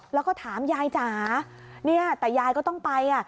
เราก็ถามยายจ้ะเนี่ยแต่ยายก็ต้องไปนะ